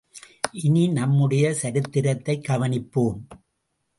இனி நம்முடைய சரித்திரத்தைக் கவனிப்போம்.